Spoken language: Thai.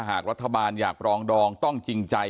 หากรัฐบาลอยากปรองดองต้องจริงใจ